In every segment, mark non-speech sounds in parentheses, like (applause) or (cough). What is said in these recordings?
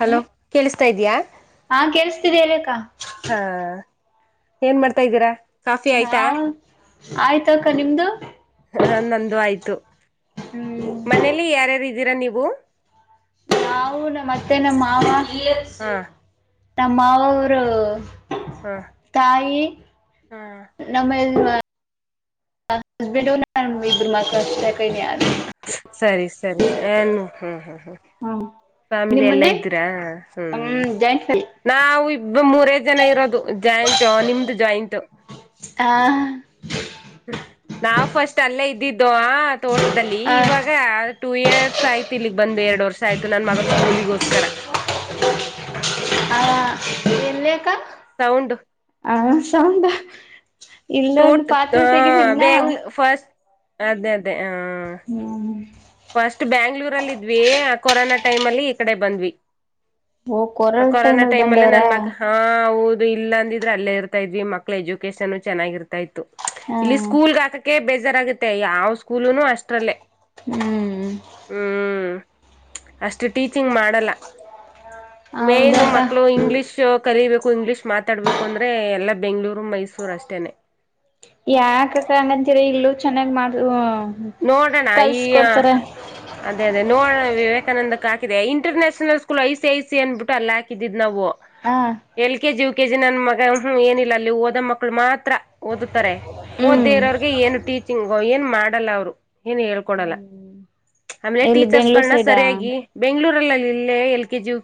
Hello ಕೇಳಿಸ್ತಾ ಇದಯಾ ಹಾ ಕೇಳಿಸ್ತಿದೆ ಹೇಳಕ್ಕ ಹಾ ಏನ್ ಮಾಡ್ತಾ ಇದ್ದೀರಾ ಕಾಫಿ ಆಯ್ತಾ ನಾವು ಆಯ್ತ ಅಕ್ಕ ನಿಮ್ದು ಹ ನಂದು ಆಯ್ತು ಹ್ಮ್ ಮನೇಲಿ ಯಾರ್ಯೀತಿ ಇದೀರಾ ನೀವು ನಾವು ನಮ್ಮತ್ತೆ ನಮ್ಮ ಮಾವ ಹಾ ತಮ್ಮವ ಅವುರ್ ಹಾ ತಾಯಿ ಹಾ ನಮ್ಮೆಲ್ ಹಸ್ಬೆಂಡ್ ನಾನ ಇಬ್ಬರು ಮಾ ಅಷ್ಟೇ ಕ ಸರಿ ಸರಿರಿ ಏನ್ನು ಹ್ಮ್ ಹ್ಮ್ ಹ್ಮ್ ಹ್ಮ ಫ್ಯಾಮಿಲಿ ಎಲ್ಲಾ ನಿಮ್ಮನೆ ಇದೀರಾ ಹ್ಮ್ ಜಾಯಿಂಟ್ ಫ್ಯಾಮಿಲಿ ನಾವು ಇಬ್ಬ ಮೂರ ಜನ ಇರೋದು ಜಾಯಿಂಟ್ ನಿಮ್ದು ಜಾಯಿಂಟ್ ಆ ನಾವವು ಫಸ್ಟ್ ಅಲ್ಲೇ ಇದ್ದ ಇ ತೋಟದಲ್ಲಿ ಆ ಇವಾಗ ಟೂ ಇಯರ್ಸ್ ಆಯ್ತು ಇಲಿಗ್ ಬಂದು ಎರಡ್ಡು ವರ್ಷ ಆಯ್ತು ನನ್ ಮಗದ ಸ್ಕೂಲಿಗೋಸ್ಕರ ಅ ಏನ್ಲಕ ಸೌಂಡ ಹ್ಮ್ ಸೌಂಡ ೋಟ್ ಬ್ಯಾಂಗ್ ಫಸ್ಟ್ ಅದೇ- ಅದೇ ಹ ಹ್ಮ್್ಮ ಫಸ್ಟ್ ಬ್ಯಾಂಗ್ಳೂರಲ್ಲಿ ಇದ್ವಿ ಆ ಕೊರೋನಾ ಟೈಮ್ ಅಲ್ಲಿ ಈ ಕಡೆ ಬಂದ್ವಿ ಓ ಆ ಕೊರೋನಾ ಟೈಮಲ್ಲಿ ಟೈಮ್ ಅಲ್ಲಿ ಬಂದವ್ರಾ ನನ್ ಮಗ ಹಾ ಹೌದು ಇದು ಇಲ್ಲ ಅಂದಿದ್ರೆ ಅಲ್ಲೇ ಇರ್ತಾ ಇದ್ವಿ ಮಕ್ಕಳ ಎಜುಕೇಶಷನ್ ಚನ್ನಾಗಿ ಇರ್ತಾ ಇತ್ತು ಹಾ ಇಲ್ಲಿ ಸ್ಕೂಲ್ ಗಾಕ ಕ ಬೇಜಾರಾಗುತ್ತೆ ಯಾವ್ ಸ್ಕೂಲನು ಅಷ್ಟ್ರಲ್ಲೇ ಹ್ಮ್ ಹ್ಮ್ ಅಷ್ಟು ಟೀಚಿಂಗ್ ಮಾಡಲ್ಲ ಮೇನ್ ಹೌದಕ್ಕ ಮಕ್ಕಳು ಇಂಗ್ಲಿೀಷ್ ಕಲಿೀಬೇಕು ಇಂಗ್ಲಿೀಷ್ ಮಾತಾಡ್ಬೇಕು ಅಂದ್ರೆ ಎಲ್ಲಾ ಬೆಂಗ್ಗಳೂರು ಮೈಸೂರ್ ಅಷ್ಟೇನೆ ಯಾಕಕ್ಕಂಗಂತೀರ ಇಲ್ಲೂ ಚೆನ್ನಾಗ್ ಮಾಡ ನೋಡೋಣ ಈ ಕಲ್ಸ್ಕೊಡ್ತಾರ ಅದೇ -ಅದೇ ನೋಡಣ ವಿವೇಕಾನಂದ ಹಾಕ international school I C I C ಅನ್ಬಿಟ್ಟು ಅಲ್ಲಾಕಿದ್ ನಾವು ಹಾ ಎಲ್ ಕೆ ಜಿ ಕೆಜಿ ನನ್ ಮಗ ಹ ಏನಿಲ್ಲ ಅಲ್ಲಿ ಓದ ಮಕ್ಕಳು ಮಾತ್ರ ಓದುತ್ತಾರೆ ಹ್ಮ್ ಓದ್ದೇ ಇರೋಿಗೆ ಏನು ಟೀಚಿಂಗ್ ಏನ್ ಮಾಡಲ್ಲ ಅವ್ರು ಏನ ಹೇಳ್ಕೊಡಲ್ಲ ಆಮೇಲೆ ಎಲ್ಲಿ ಬೆಂಗ್ಳೂರ್ ಟೀಚರ್ಸ್ಗಳನ್ನ ಸೈಡಾ ಸರಿಯಾಗಿ ಬೆಂಗ್ಗಳೂರಲ್ಲ ಇ ಎಲ್ ಕೆಜು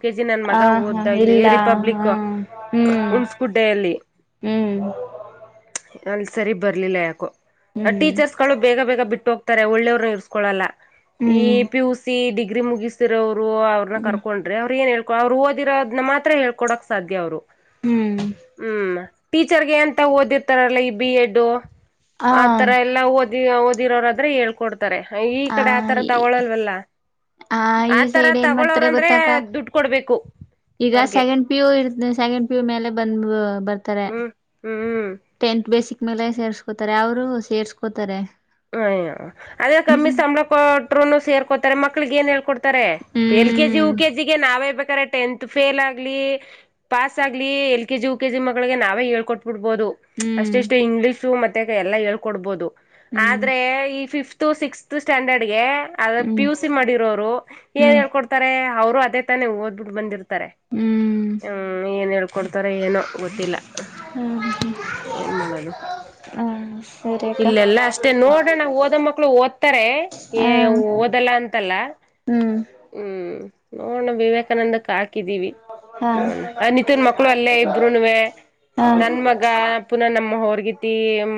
ಹ ಹಾ ಇಲ್ಲ ಹ್ಮ್ ಹ್ಮ್ ಹುಣಸ್ಗುಡ್ಡೆಯಲ್ಲಿ ಹ್ಮ್ ಅಲ್ಲಿ ಸರಿ ಬರಲಿಲ್ಲ ಯಾಕೋ ಟೀಚರ್ಸ್ ಗಳು ಬೇಗ ಬೇಗ ಬಿಟ್ಟು ಹೋಗ್ತ ತಾರೆ ಒಳ್ಳೆಯವ್ರನು ಇರಿಸಕೊಳ್ಳಲ್ಲ ಈ ಹ್ಮ್ ಪಿ ಯು ಸಿ ಗ್ರಿ ಮುಗಿಸ್ತಿರವು ಅವರು ಅವ್ರನ್ನ ಹ್ಮ್ ಕರ್ಕೊಂಡ್ರೆ ಅವ್ರ ಏ ಹೇ ಅವ್ರು ಓದಿರೋದನ್ನ ಮಾತ್ರ ಹೇಳ್ಕೊಡಕ್ ಸಾಧ್ಯ ಅವ್ರು ಹ್ಮ್ ಹ್ಮ್ ಟೀಚರ್ಗೆ ಎಂತ ಓದಿರ್ತಾರಲ್ಲ ಈ ಬಿ ಎಡ್ ಹಾ ಆ ತರ ಎಲ್ಲಾ ಒದ ಓದಿರೋ ಹಳ್ಕೊಡ್ದು ಹ ಆ ಈ ಆತರ ಸೈಡ್ ಏನ್ ಮಾಡ್ತಾರೆ ತಗೊಳೋರಂದ್ರೆ ಗೊತ್ತಕ ದುಡ್ಡು ಕೊಡ್ಬೇಕು ಈಗ ಅವ್ರಗೆ ಸೆಕೆಂಡ್ ಪಿಯು ಇರ್ತ ಸೆಕೆಂಡ್ ಪ್ಯು ಮೇಲೆ ಬಂದ್ ಬರ್ತಾರೆ ಹ್ಮ್ ಹ್ಮ್ ಟೆಂತ್ ಬೇಸಿಕ್ ಮೇಲೆ ಸೇರ್ಸ್ಕೋತಾರೆ ಅವರು ಸೇರ್ಸ್ಕೋತಾರೆ ಹ ಅದೇ ಕಮ್ಮಿ ಹ್ಮ್ ಸಂಬ್ಲ ಕೊಟ್ ಸೇರ್ಕೋತಾರೆ ಮಕ್ಳಿಗೆ ನ್ ಹೇಳ್ೊಡ್ ಎಲ್ ಕೆಜಿ ಉ ಕೆ ಜಿಿಗೆ ನಾವೇ ಬೇಕ ಟೆಂತ್ ಫೇಲ್ ಆಗ್ಲಿ ಪಾಸ್ ಆಗ್ಲಿ ಎಲ್ ಕೆಜಿ ಉ ಕೆಜಿ ಮಕ್ಳಿಗೆ ನಾವೇ ಹೇಳ್ಕೊ ಬಿಡ್ಬೋದು ಹ್ಮ್ ಅಷ್ಟೆಷ್ಟು ಇಂಗ್ಲಿೀಷು ಮೆ ಎಲ್ಲ ಹೇಳ್ಕೊಡ್ಬೋದು ಹ್ಮ್ ಆದ್ರೆ ಈ ಫಿಫ್ತ್ ಸಿಕ್ಸ್ತ್ ಸ್ಟ್ಯಾಂಡರ್ಡ್ ಗೆ ಅದ ಪಿ ಹ್ಮ್ ಯು ಸಿ ಮಾಡಿರೋರು ಏನ್ ಹ್ಮ್ ಹೇಳ್ಕೊಡ್ತಾರೆ ಅವರು ಅೇ ತಾನೇ ಓದ್ಬ ಬಿು ಬಂದಿತ ಹ್ಮ್ ಹ್ಮ್ ಏನ್ ಹೇಳ್ಕೊಡ್ತಾರೋ ಏನೋ ಗೊತ್ತಿಲ್ಲ ಹ್ಮ್ ಏನ್ ಮಾಡೋದು ಹಾ ಸರಿ ಅಕ್ಕ ಇಲ್ಲೆಲ್ಲ ಅಷ್ಟೇ ನೋಡೋಣ ಓದ ಮಕ್ಕಳು ಓದ್ತಾರೆ ಹ ಓದಲ್ಲ ಅಂತಲ್ಲ ಹ್ಮ್ ಹ್ಮ್ ನೋಡ ವಿವೇಕಾನಂದ ಕ ಹಾಕಿದೀವಿ ಹಾ ಅನಿತನ್ ಮಕ್ಕಳು ಅಲ್ಲೇ ಇಬ್ರುನುವೆ ಹಾ ನನ್ ಮಗ ಪುನಃ ನಮ್ಮ ಅವ್ರಗೆ ಟೀ ಎಮ್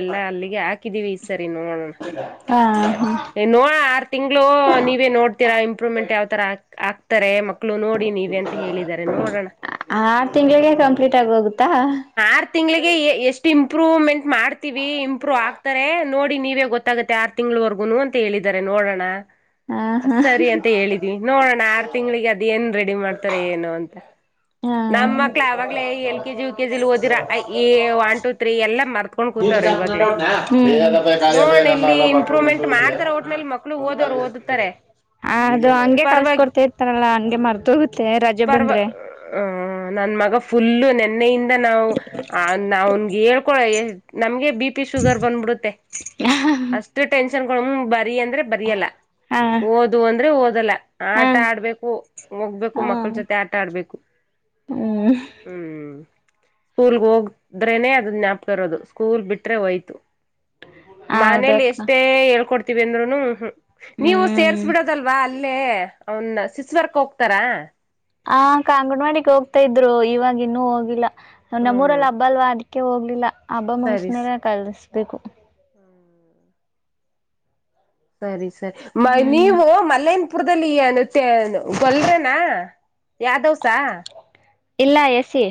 ಎಲ್ಲಾ ಅಲ್ಲಿಗೆ ಹಾಕ ಸರಿ ನೋಡೋಣ ಹಾ ಹಾ ನೋ ಆರ್ ತಿಂಗಗಳು ನೀವೇ ನೋಡ್ತೀರಾ ಇಂಪ್ರೂವ್ಮೆಂಟ್ ಯಾವತರ ಆಗ್ತಾರೆ ಮಕ್ಕಳು ನೋಡಿ ನೀವ ಅಂತ ಹೇಳಿದಿದ್ದಾರೆ ನೋಡೋಣ ಆರು ತಿಂಗಳಿಗೆ ಕಂಪ್ಲೀಟ್ ಆಗಿ ಹೋಗುತ್ತಾ ಹ ಆರ್ ತಿಂಗಳಿಗೆ ಎಷ್ಟೆ ಇಂಪ್ರೂವಮೆಟ್ ಮಾಡ್ತೀವಿ ಇಂಪ್ರೂವ್ ಆಗ್ತ ನೋಡಿ ನೀವೇ ಗೊತ್ತಾಗತ್ತೆ ಆರು ತಿಂಗ್ಗಳವರ್ಗೂನು ಅಂತ ಹೇಳಿದಿದ್ದಾರೆ ನೋಡೋಣ ಹಾ ಸರಿ ಅಂತ ಹೇಳಿದ್ವಿ ನೋಡೋಣ ಆರ್ ತಿಂಗ್ಳಿಗೆ ಅದ ಏನ್ ರೆಡಿ ಮಾಡ್ತಾರ ಏನು ಅಂತ ಹಾ ನಮ ಮಕ್ಳ ಅವಾಗ್ಲೇ ಎಲ್ ಕೆಜಿ ಯು ಕೆಜಿಲಿ ಓದಿರ ಒನ್ ಟು ತ್ರೀ ಎಲ್ಲಾ ಮರ್ತ್ಕೊಂಡ್ ಕೂತಾರ ಇವಾಗ್ಲೇ (unintelligible) ನೋಡ್ ಇಲ್ಲಿ ಇಂಪ್ರೂವ್ಮೆಂಟ್ ಮಾಡ್ತಾರ ಒಟ್ನಲ್ಲಿ ಮಕ್ಳು ಓದೋರು ಓದುತ್ತಾರೆ ಹ ಅದು ಹಂಗೆ ಪರವಾಗಿ ಕಲ್ಸಕೊಡ್ತಾ ಇರ್ತಾರಲ್ಲಾ ಹಂಗೆ ಮರ್ದ ಹೋಗುತ್ತೆ ರಜೆ ಪರ್ವ ಬಂದ್ರೆ ಆ ನನ್ ಮಗ ಫುಲ್ಲು ನೆನ್ನೆಯಿಂದ ನಾವು ನಾವನ್ ಹೇಳ್ಕೊಳ ನಮ್ಗೆ ಬಿ ಪಿ ಶುಗರ್ ಬಂದು ಬಿಡುತ್ತೆ ಹಾ ಪಸ್ಟ್ ಟೈಮ್ ಕ ಬ (unintelligible) ರೀ ಅಂದ್ರೆ ಬರಿಯಲ್ಲ ಹಾ ಓದು ಅಂದ್ರೆ ಓದ ಅದಲ್ಲ ಹಾ ಆಟ ಆಡ್ಬೇಕು ಹೋಗ್ಬೇಕು ಹಾ ಮಕ್ಳ ಜೊತೆ ಆಟ ಆಡ್ಬೇಕು ಹ್ಮ್ ಹ್ಮ್ ಸ್ಕೂಲ್ ಹೋಗದ್ರೇನೆ ಅದ್ ಜ್ಞಾಪಕ ಇರೋದು ಸ್ಕೂಲ್ ಬಿಟ್ರೆ ಹೋಯ್ತು ಮನೇಲಿ ಹೌದಕ್ಕ ಎಷ್ಟೇ ಹೇಳ್ಕೊಡ್ತೀ ತಿಂದ್ರನು ಹು ಹು ನೀವು ಸೇರ್ಸ್ ಹ್ಮ್ ಬಿಡೋದಲ್ವಾ ಇಲ್ಲೇ ಅವನ್ ಸಿಸ್ವರ್ಕ್ ಹೋಗ್ತಾರ ಆ ಅಂಗನವಾಡಿಗೆ ಹೋಗ್ತಾ ಇದ್ರು ಇವಾಗ ಇನ್ನುೂ ಹೋಗಿಲ್ಲ ಹ್ಮ್ ನಮ್ಮೂರಲ್ಲಿ ಹಬ್ಬ ಅಲ್ವಾ ಅದಕ್ಕೆ ಕ್ಕೆ ಹೋಗ್ಲಿಲ್ಲ ಅಬ್ಬ ಸರಿ ಮುಗಸ್ಮ ಕಲ್ಸ ದೇಕು ಸರಿ ಸರಿ ಮ ಹ್ಮ್ ನೀವು ಮಲಯನಪುರದಲ್ಲಿ ಹೇಳುತ್ತೆ ಹೇಳಿ ಗೊಲುರುನಾ ಯ ದಿವಸ ಇಲ್ಲ ಎಸಿ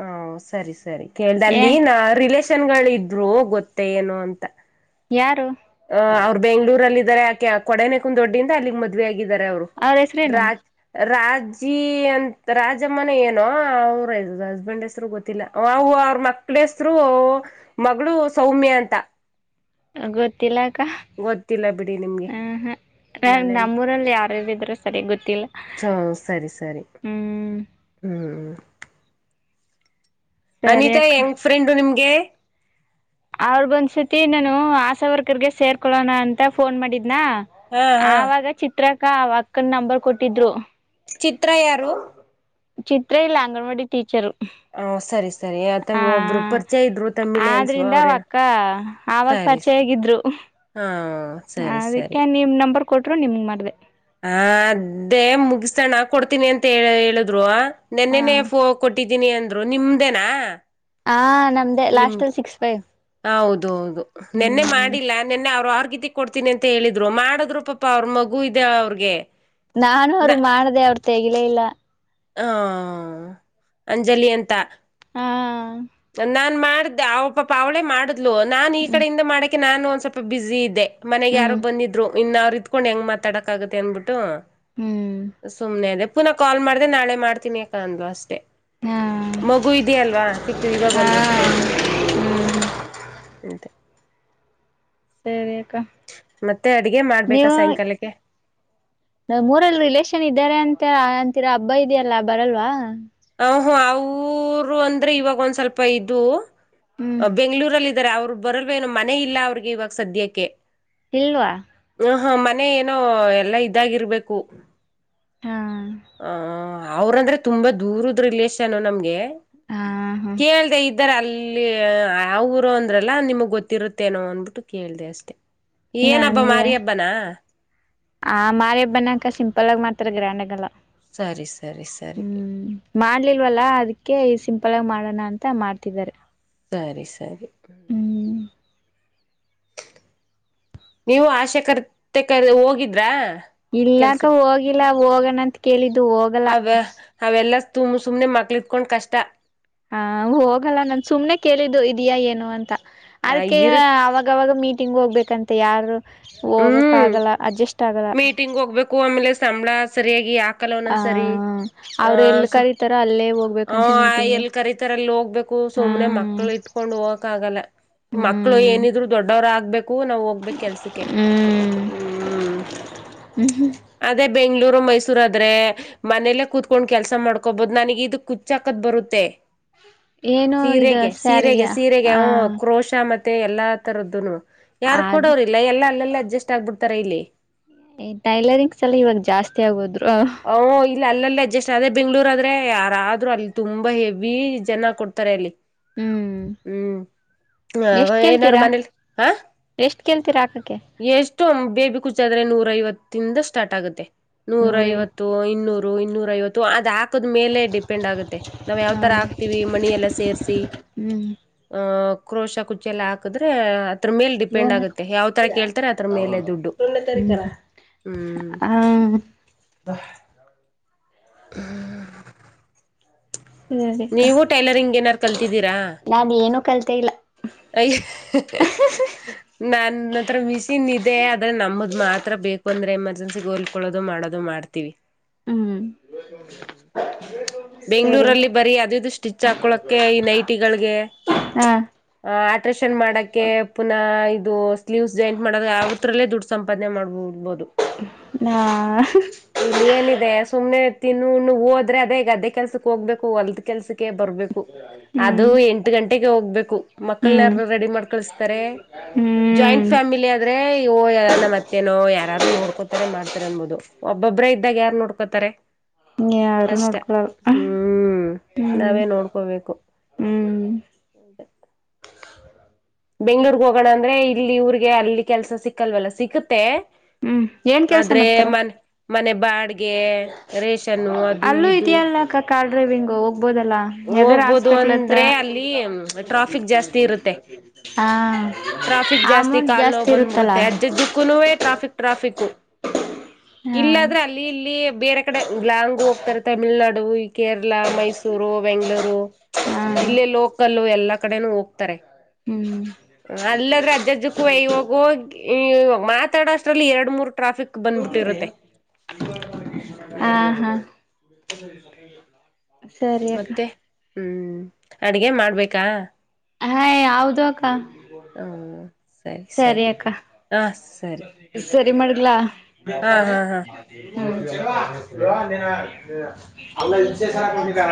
ಹ ಸರಿ ಸರಿ ಕೇಳ್ದ ಏ ಅಲ್ಲಿ ನಾ ರಿಲಷೇನ್ ತಿನ್ಗೊಳ್ವಿ ಇದ್ವು ಗೊತ್ತೆ ಏನೋ ಅಂತ ಯಾರು ಅ ಅವರು ಬೆಂಗಳೂರಲ್ಲಿ ಇದಾರೆ ಆ ಕೊಡನೆ ಕುಂದ ದೊಡ್ಡಿಂದ ಅಲ್ಲಿಗ್ ಮದ್ವೆ ಆಗಿ ಇದ್ದರೆ ಅವರು ಅವ್ರ ಹೆಸ್ರೇನು ರಾಜ್ ರಾಜಿ ಅಂತ ರಾಜಮ್ಮನ ಏನೋ ಅವ್ರ ಹಸ್ಬೆಂಡ್ ಹೆಸ್ರು ಗೊತ್ತಿಲ್ಲ ಅವವು ಅವ್ರ ಮಕ್ಳ ಹೆಸರು ಮಗಳು ಸೌಮ್ಯ ಅಂತ ಗೊತ್ತಿಲ್ಲ ಕ ಗೊತ್ತಿಲ್ಲ ಬಿಡಿ ನಿಮ್ಗೆ ಹ್ಮಹೂ ನ ನಿಮ್ಮಲ್ಲ ನಮ್ಮೂರಲ್ಲಿ ಯಾರಾರಿದ್ರೂ ಸರಿಯ ಗೊತ್ತಿಲ್ಲ ಸ ಸರಿ ಸರಿ ಹ್ಮ್ ಹ್ಮ್ ಸರಿ ಅನಿತಾ ಅಕ್ಕ ಹೆಂಗ್ ಫ್ರೆಂಡ್ ನಿಮ್ಗೆ ಎ ಅವ್ರಳು ಬಂದ್ ಶೃತಿ ಯಿಂದನು ಆಶಾವರ್ಕರ್ಗೆ ಸೇರ್ಕೋಳ್ಳೋಣ ಅಂತ ಫೋನ್ ಮಾಡಿದ್ ಣ ಹಾ ಹಾ ಆವಾಗ ಚಿತ್ರ ಕ ಅವಕ್ಕನ್ ನಂಬರ್ ಕೊಟ್ಟಿದ್ರು. ಚಿತ್ರ ಯಾರು. ಚಿತ್ರ ಇಲ್ ಅಂಗನ್ವಾಡಿ ಟೀಚರು. ಹೊ ಸರಿ ಸರಿ ಯೆತ ಹ ಒಬ್ರು ಪರ್ಚಯ ಇದ್ರು ತಮ್ಮಿಳಿನ್ಸು ಆದ್ರಿಂದ ಅವ್ರೇ ಅವಕ್ಕ ಆವಾಗ ಸರಿ ಸ ಪರಿಚಯ ಆಗಿದ್ರು ಹಾ ಸರಿ ಸರಿ. ಅದಕ್ಕೆ ನಿಮ್ ನಂಬರ್ ಕೊಟ್ರು ನಿಮ್ಗ್ ಮಾಡ್ದೆ. ಹ ದ್ದೆ ಮುಗ್ಸಣಾ ಕೊಡ್ತೀನಿ ಅಂತ ಹೇಳ್ ಹೇಳುದ್ರು. ಹಾ ನೆನ್ನೆನೆ ಫೋ ಕೊಟ್ಟಿದ್ ದಿನಿ ಅಂದ್ರು ನಿಮ್ದೇನಾ. ಹ ನಮ್ದೇ ಲಾಸ್ಟ್ ನಿಮ್ಗ್ ಅಲ್ಲಿ ಸಿಕ್ಸ್ ಫೈವ್ ಹೌದು ಹೌದು ನಿನ್ನೆ ಹ್ಮ್ ಮಾಡಿಲ್ಲ ನಿನ್ನೆ ಅವ್ರ್ ವರ್ಗಿತ್ತಿ ಕೊಡ್ತೀನಿ ಅಂತ ಹೇಳಿದ್ರು ಮಾಡಿದ್ರು ಪಾಪ ಅವ್ರ ಮಗು ಇದ್ ದೆ ಅವ್ರಗೆ. ನಾನು ಅವ್ರಗ್ ಮಾಡ್ದೆ ಅವ್ರ್ ತೆಗಿಲೆಯಿಲ್ಲ. ಹಾ ಅಂಜಲಿ ಅಂತ. ಹಾ ಒನ್ನ ಮಾಡ್ದೆ ಅವ್ ಪಾಪ ಅವ್ಳೇ ಮಾಡ್ ದ್ಲು ನಾನ್ ಈ ಕಡೆಯಿಂದ ಮಾಡ್ ಕೆ ನಾನು ಒಂದ್ ಸ್ವಲ್ಪ ಬಿಝೀ ಇದ್ದೆ. ಮನೆಗ್ ಯಾರೊ ಹ್ಮ್ ಬಂದಿದ್ರು. ಇನ್ನ ಅವ್ರಿದ್ಕೊಂಡು ಹೆಂಗ್ ಮಾತಾಡಕ್ಕಾಗುತ್ತೆ ಅಂದ್ಬಿಟ್ಟು. ಹ್ಮ್ ಸುಮ್ನೆ ಅದೆಪ್ ಪುನಃ ಕಾಲ್ ಮಾಡ್ದೆ ನಾಳೆ ಮಾಡ್ತೀನಿ ಅಕ್ಕ ಅಂದ್ಲು ಅಷ್ಟೇ. ಹಾ ಮಗು ಇದೆಯಲ್ವಾ ಸಿಕ್ ಇವಾಗ್ ಹಾ ಒಂದ್ ವರ್ಷ ಏನೊ ಹ್ಮ್. ತ್ತೆ. ಸರಿ ಅ ಮತ್ತೆ ಅಡ್ಗೆ ಮಾಡ್ಬೇಕಾ ಸಾಯಂಕಾಲಕ್ಕೆ. ನಮೂರಲ್ ರಿಲೇಷನ್ ಇದ್ದಾರೆ ಅಂತ ಅಂತೀರಾ ಹಬ್ಬ ಇದ್ಯಲ್ಲ ಬರಲ್ವಾ. ಹು ಹು ಅವ್ರು ಅಂದ್ರೆ ಇವಾಗ್ ಒಂದ್ ಸ್ವಲ್ಪ ಇದು. ಹ್ಮ್ ಬೆಂಗ್ಳೂರಲ್ ಇದಾರೆ ಅವ್ರು. ಬರಲ್ವೇನು ಮನೆ ಇಲ್ಲ ಅವ್ರಿಗೆ ಇವಾಗ್ ಸದ್ಯಕ್ಕೆ. ಇಲ್ವಾ. ಹ ಹ ಮನೆ ಏನೋ ಎಲ್ಲಾ ಇದಾಗಿರ್ಬೇಕು. ಹಾ ಆ ಅವ್ರಂದ್ರೆ ತುಂಬಾ ದೂರುದ್ ರಿಲೇಷನು ನಮ್ಗೆ. ಆ ಹುಹ್. ಇದ್ದಾರ್ ಅಲ್ಲಿ ಆ ಊರು ಅಂದ್ರಲ್ಲ ನಿಮ್ಗ್ ಗೊತ್ತಿರುತ್ತೇನೋ ಅಂಬುಟ್ಟು ಕೇಳ್ದೆ ಅಷ್ಟೇ. ನನ್ಗೆ ಆ ಮಾರಿ ಹಬ್ಬನೇ ಅಕ್ಕ ಸಿಂಪಲ್ ಆಗ್ ಮಾಡ್ ತರ ಗ್ರ್ಯಾಂಡಗಲ್ಲ. ಸರಿ ಸರಿ ಸರಿ. ಕೆ ಸಿಂಪಲಾಗ್ ಮಾಡೋಣ ಅಂತ ಮಾಡ್ತಿದ್ದಾರೆ. ಸರಿ ಸರಿ. ಹ್ಮ ಹ್ಮ್ ನೀವು ಆಶೆ ಕರ್ತೆಕ ಹೋಗಿದ್ರಾ. ಇಲ್ಲ ಕ್ಕ ಕೆಲ್ಸಕ್ಕೆ ಹೋಗಿಲ್ಲ. ಹೋಗಣ ಅಂತ್ ಕೇಳಿದ್ ಅವ ಅವೆಲ್ಲ ಸ್ ತುಮ್ ಸುಮ್ನೆ ಮಕ್ಳ್ ಇಟ್ಕೊಂಡ್ ಕಷ್ಟ. ಹ ಹೋಗಲ್ಲ ನನ್ ಸುಮ್ನೆ ಕೇಳಿದ್ದು ಇದ್ಯ ಏನು ಅಂತ. ಅದಕ್ಕೆ ಇರುತ್ ಅವಾಗ್ವಾಗ ಮೀಟ್ ಟಿಂಗ್ ಹೋಗ್ಬೇಕಂತೆ ಯಾರು. ಹೋಗಕ್ ಹ್ಮ್ ಆಗಲ್ಲ ಅಡ್ಜಷ್ಟ್ ಆಗಲ್ಲ. ಸಂಬ್ಳ ಸರಿಯಾಗಿ ಹಾಕ್ ಕಲ್ಲ ಆ ಒನ್ನೊಂದ್ಸಾರಿ ಆ ಅವ್ರ ಎಲ್ಲಿ ಸೊ ಕರೀತಾರೋ ಅಲ್ಲೇ ಹು ಹೋಗ್ಬೇಕಂತ ಅ ಮೀಟಿಂಗ್ಗೆ ಎಲ್ ಕರಿತಾರೊ ಅಲ್ ಹೋಗ್ಬೇಕು ಸುಮ್ನೆ ಹ್ಮ್ ಮಕ್ಳು ಇಟ್ಕೊಂಡು ಹೋಗಕ್ ಆಗಲ್ಲ ಮಕ್ಳು ಹ್ಮ್ ಏನಿದ್ರು ದೊಡ್ಡವ್ರ ಆಗ್ಬೇಕ್. ಹೂ ನಾಬ್ ಹೋಗ್ಬೇಕ್ ಕೆಲ್ಸುಕ್ಕೆ. ಹ್ಮ್ ಹ್ಮ್ ಅದೇ ಬೆಂಗ್ಳೂರು ಮೈಸೂರ್ ಆದ್ರೆ ಮನೇಲ್ಲೇ ಕುತ್ಕೊಂಡ್ ಕೆಲ್ಸ ಮಾಡ್ಕೊಬೊದು ನನ್ಗೆ ಇಡು ಕುಚ್ಚಾಕದ್ ಬರುತ್ತೆ. ಏನು ಇದು ಸೀರೆಗೆ ಸೀರೆಗೆ ಸ್ಯಾರಿಗೆ ಸೀರೆಗೆ ಆ ಹ್ಮ್ ಕ್ರೋಶ ಮತ್ ಮತ್ತೆ ಎಲ್ಲಾ ತರದ್ದುನು. ಯಾರು ಅದು ಕೂಡವ್ರ್ ಇಲ್ಲ ಎಲ್ಲಾ ಅಲ್ಲೆಲ್ ಇಲ್ ಅಡ್ಜಸ್ಟ್ ಆಗ್ಬಿಡ್ತಾರ ಇಲ್ಲಿ. ಟೈಲರಿಂಗ್ಸ್ ಎಲ್ಲ ಇವಾಗ್ ಜಾಸ್ತಿ ಆಗೋದ್ರು. ಹೌ ಇ ಇಲ್ ಅಲ್ಲಲ್ಲಿ ಅಡ್ಜಸ್ಟ್ ಆದೆ ಬೆಂಗ್ಳುರ್ ಆದ್ರೆ ಯಾರಾದ್ರು ಅಲ್ಲಿ ತುಂಬಾ ಹೆವಿ ಜನ ಕೊಡ್ತಾರೆ ಅಲ್ಲಿ. ಹ್ಮ್ ಹ್ಮ ಆಗೋ ಎಷ್ಟ್ ಏನಾರು ಕೇಳ್ತೀರಾ ಮನೇಲಿ ಹ ಎಷ್ಟ್ ಕೇಳ್ತೀರಾ ಹಾಕಕ್ಕೆ ಎಷ್ಟು ಬೇಬಿ ಕುಚಾದ್ರೆ ನೂರ್ ಐವತ್ ತಿಂದ ಸ್ಟಾರ್ಟ್ ಆಗುತ್ತೆ. ನೂರೈದು ನೂರೈವತ್ ಇನ್ನೂರು ಇನ್ನೂರೈವತ್ತು ಅದ್ ಕ್ಕದ್ ಮೇಲೆ ಡಿಪೆಂಡ್ ಆಗುತ್ತೆ ನಾವ್ ಯಾವ್ ಹ ತರ ಹಾಕ್ತಿವಿ ಮಣಿ ಎಲ್ಲ ಸೇರ್ಸಿ ಹ್ಮ್ ಆ ಕ್ರೋಶ ಕುಚ್ಚೆಲ್ಲ ಹಾಕಿದ್ರೆ ಹ ದ್ರು ಮೇಲ್ ಡಿಪೆಂಡ್ ಲೋನ್ ಹ ಆಗುತ್ತೆ ಯಾವ್ ತರ ಕೇಳ್ತಾರೆ ಅದ್ರ ಮೇಲೆ ದುಡ್ಡು ಹ್ಮ್. ದ ಹ್ಮ ಸರಿಕ್ಕ ನೀವು ಟೈಲರಿಂಗ್ ಏನಾದ್ರು ಕಲ್ತಿದ್ದೀರಾ. ತೆ ಇಲ್ಲ. ಅಯ್ ಹಃ ನನ್ ಹತ್ರ ಮಿಸಿನ್ ಇದೆ ಅದ್ ಆದ್ರೆ ನಮ್ದ್ ಮಾತ್ರ ಬೇಕು ಅಂದ್ರೆ ಎಮರ್ಜೆನ್ಸಿಗ್ ಹೋಲ್ಕೊಳ್ಳೋದು ಮಾಡೋದು ಮಾಡ್ತಿವಿ. ಹ್ಮ್ ಹ್ಮ್ ಹ್ಮ್. ಸರಿ ಬೆಂಗ್ಳೂರಲ್ಲಿ ಬರೀ ಅದಿದುಷ್ ಟಿಚ್ ಹಾಕೊಳಕ್ಕೆ ಈ ನೈಟಿಗಳ್ಗೆ. ಹಾ ಹಾ ಅದ್ ಲ್ಟ್ರೇಷನ್ ಮಾಡಕ್ಕೆ ಪುನಃ ಇದು ಸ್ಲೀವ್ಸ್ ಜಾಯಿಂಟ್ ಮಾಡಕ್ ಯಾವತ್ರಲ್ಲೇ ದುಡ್ ಸಂಪಾದನೆ ಮಾಡ್ಬಿಡ್ಬೋದು. ಹ ಹಃ ಹಾ. ಇಲ್ಲಿ ಏನಿದೆ ಸುಮ್ನೆ ತಿನ್ನು ಉಣ್ಣು ಹೋದ್ರೆ ಅದೇ ಗದ್ದೆ ಕೆಲ್ಸಕ್ ಹೋಗ್ಬೇಕು ಹೊಲ್ದ್ ಕೆಲ್ಸಕ್ಕೆ ಬರ್ಬೇಕು. ಅದು ಹ್ಮ್ ಎಂಟು ಗಂಟೆಗೆ ಹೋಗ್ಬೇಕು ಮಕ್ಕಳ್ನ ಹ್ಮ್ ಯಾರ್ ರೆಡಿ ಮಾಡ್ ಕಳುಸ್ತಾರೆ? ಹ್ಮ್ ಫ್ಯಾಮಿಲಿ ಆದ್ರೆ ಓ ಯ ನಮ್ ಅತ್ತೆನೋ ಯಾರಾರು ನೋಡ್ಕೋತಾರೆ ಮಾಡ್ತಾರೆ ಅನ್ಬೋದು ಒಬ್ಬೊಬ್ರೆ ಇದ್ದಾಗ್ ಯಾರ್ ನೋಡ್ಕೋತಾರೆ? ನೋಡ್ಕೊಳ್ಳದ್ ಹ್ಮ್ ಹ್ಮ್ ನಾವೇ ನೋಡ್ಕೋಬೇಕು. ಹ್ಮ್ ಬೆಂಗ್ಳೂರ್ಗ್ ಹೋಗಣ ಅಂದ್ರೆ ಇಲ್ಲಿ ಇವ್ರಿಗೆ ಅಲ್ಲಿ ಕೆಲ್ಸ ಸಿಕ್ಕಲ್ವಲ್ಲ ಸಿಕ್ಕುತ್ತೆ ಹ್ಮ್ ಏನ್ ಕೆಲ್ಸ ಆದ್ರೆ ಮಾಡ್ತಾರ ಮನ್ ಮನೆ ಬಾಡ್ಗೆ ರೇಷನ್ನು ಅದು ಅಲ್ಲೂ ಇದು ಇದೆಯಲ್ಲ ಅಕ್ಕ ಕಾರ್ ಡ್ರೈವಿಂಗೂ ಬೋದಲ್ಲ ಯಾದಾರ ಹೋಗ್ಬೋದು ಹಾಸ್ಪಿಟ್ಲ್ ಹತ್ರ ಅಂದ್ರೆ ಅಲ್ಲಿ ಟ್ರಾಫಿಕ್ ಜಾಸ್ತಿ ಇರುತ್ತೆ ಹಾಂ ಟ್ರಾಫಿಕ್ ಅಮೌಂಟ್ ಕಾಲ್ ಜಾಸ್ತಿ ಇರುತ್ತಲ್ಲ. ಟ್ರಾಫಿಕ್ಕೂ ಹಾ ಇಲ್ಲಾದ್ರೆ ಅಲ್ಲಿ ಇಲ್ಲಿ ಬೇರೆ ಕಡೆ ಲಾಂಗು ಹೋಗ್ತಾರೆ ತಮಿಳ್ನಾಡ್ (unintelligible) ಇಲ್ಲಾ ಮೈಸೂರು ಬೆಂಗ್ಳೂರು ಹಾ ಇಲ್ಲೇ ಲೋಕಲ್ಲು ಎಲ್ ಎಲ್ಲಾ ಕಡೆನೂ ಹೋಗ್ತಾರೆ. ಹ್ಮ್ ಅಲ್ಲದ್ರೆ ಅಜ್ಜಜ್ಜಕ್ಕೂ ವಯ್ ಇವಾಗ್ ಹೋಗ್ ಈ ಮಾತಾಡಷ್ಟ್ ರಲ್ಲಿ ಎರಡ್ ಮೂರ್ ಟ್ರಾಫಿಕ್ ಬಂದ್ಬಿಟ್ಟಿರುತ್ತೆ ಹಾ ಹ್ಮ್. (unintelligible) ಅಕ್ಕ ಮತ್ತೆ ಹ್ಮ್. ಅಡ್ಗೆ ಮಾಡ್ಬೇಕಾ. ಹೈ ಹೌದು ಅಕ್ಕ. ಹ್ಮ ಸರಿ ಸರಿ ಆ ಸರಿ. ಇಗ್ ಮಾಡಗ್ಲಾ. ಹಾ ಹಾ ಹಾ (unintelligible) (unintelligible)